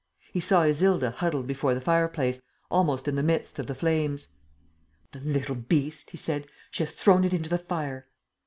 He saw Isilda huddled before the fireplace, almost in the midst of the flames: "The little beast!" he said. "She has thrown it into the fire!"